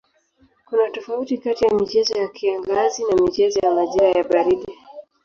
Kuna tofauti kati ya michezo ya kiangazi na michezo ya majira ya baridi.